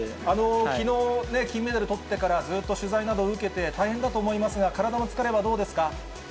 きのう、金メダルとってから、ずっと取材などを受けて、大変だと思いますが、体の疲れはどうですか？